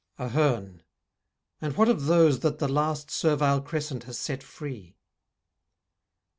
AHERNE And what of those That the last servile crescent has set free?